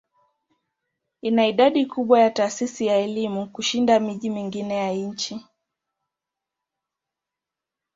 Ina idadi kubwa ya taasisi za elimu kushinda miji mingine ya nchi.